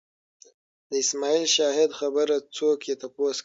د اسماعیل شاهد خبره څوک یې تپوس کوي